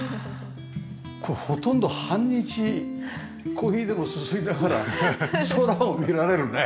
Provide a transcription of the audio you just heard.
これほとんど半日コーヒーでもすすりながら空を見られるね。